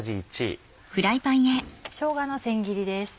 しょうがの千切りです。